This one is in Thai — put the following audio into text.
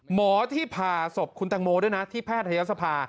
หมอที่ผ่าศพคุณตังโมด้วยนะที่แพทยศภา